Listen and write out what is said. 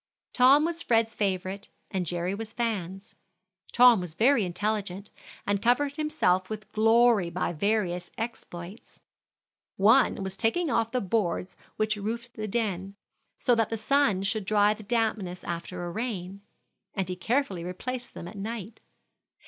Tom was Fred's favorite, and Jerry was Fan's. Tom was very intelligent, and covered himself with glory by various exploits. One was taking off the boards which roofed the den, so that the sun should dry the dampness after a rain; and he carefully replaced them at night.